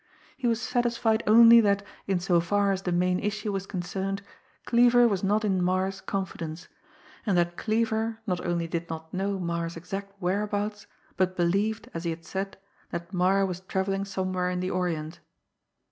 He was satisfied only that, in so far as the main issue was concerned, Cleaver was not in Marre's confidence, and that Cleaver not only did not know Marre's exact whereabouts, but believed, as he had said, that Marre was travelling somewhere in the Orient.